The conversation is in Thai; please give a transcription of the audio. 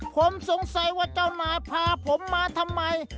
ผมสงสัยว่าเจ้านายพาผมมาทำไม